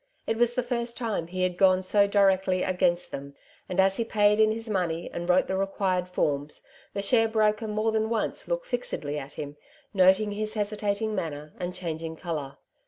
It was the first time he had gone so directly against them ; and as he paid in his money, and wrote the required forms, the sharebroker more than once looked fixedly at him, noting his hesitating manner and changing colour.